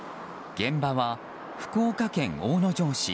現場は福岡県大野城市。